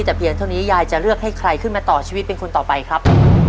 แต่เพียงเท่านี้ยายจะเลือกให้ใครขึ้นมาต่อชีวิตเป็นคนต่อไปครับ